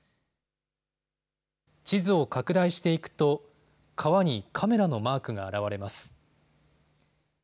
地図を拡大していくと川にカメラのマークが表れます。